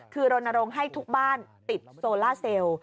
คือรณรงค์ให้ทุกบ้านติดโซล่าเซลล์